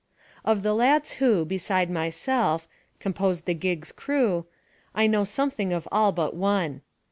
Of the lads who, beside myself, composed the gig's crew, I know something of all but one.